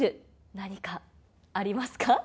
何かありますか？